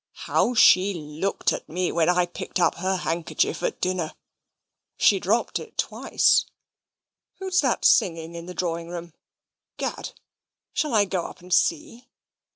"How she looked at me when I picked up her handkerchief at dinner! She dropped it twice. Who's that singing in the drawing room? 'Gad! shall I go up and see?"